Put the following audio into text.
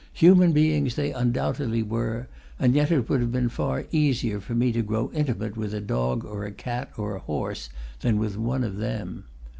Human beings they undoubtedly were, and yet it would have been far easier for me to grow intimate with a dog or a cat or a horse than with one of them.